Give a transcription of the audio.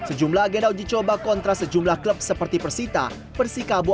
sejumlah agenda uji coba kontra sejumlah klub seperti persita persikabo